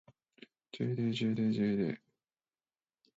ｊｄｊｄｊｄ